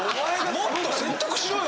もっと説得しろよ